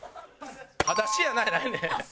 「裸足やな」やないねん。